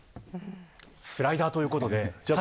スライダーということで。